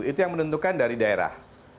itu yang menentukan dari daerah